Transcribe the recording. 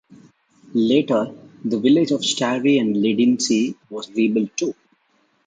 Later, the village of Stari Ledinci was rebuilt too.